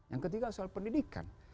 yang ketiga soal pendidikan